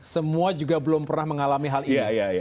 semua juga belum pernah mengalami hal ini